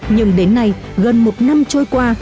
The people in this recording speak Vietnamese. nhưng đến nay gần một năm trôi qua